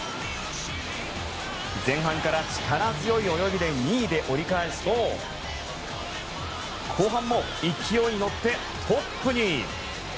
前半から力強い泳ぎで２位で折り返すと後半も勢いに乗ってトップに。